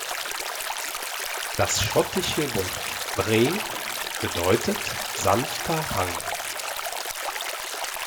Das schottische Wort "brae" bedeutet sanfter Hang.